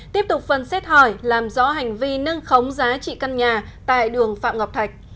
tiếp tục phần xét hỏi làm rõ hành vi nâng khống giá trị căn nhà tại đường phạm ngọc thạch